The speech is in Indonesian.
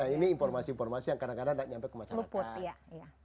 ini informasi informasi yang kadang kadang tidak nyampe ke masyarakat